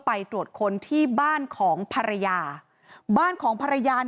ปี๖๕วันเกิดปี๖๔ไปร่วมงานเช่นเดียวกัน